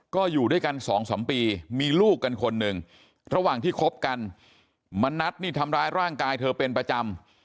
ก็อยู่ด้วยกัน๒๓ปีมีลูกกันคนหนึ่งระหว่างที่คบกันมณัฐนี่ทำร้ายร่างกายเธอเป็นประจำ